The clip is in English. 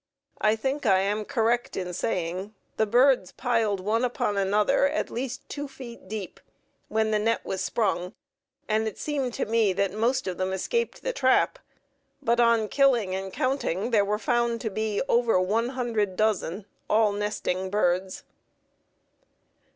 I think I am correct in saying the birds piled one upon another at least two feet deep when the net was sprung, and it seemed to me that most of them escaped the trap, but on killing and counting, there were found to be over one hundred dozen, all nesting birds.